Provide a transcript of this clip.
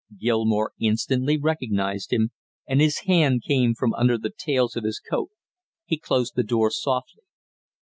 Gilmore instantly recognized him, and his hand came from under the tails of his coat; he closed the door softly.